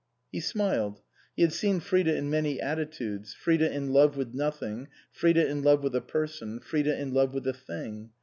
He smiled. He had seen Frida in many atti tudes, Frida in love with nothing, Frida in love with a person, Frida in love with a thing.